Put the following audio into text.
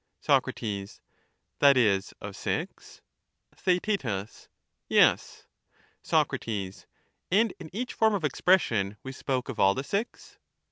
Soc, That is of six ? Theaet, Yes. Soc, And in each form of expression we spoke of all the six?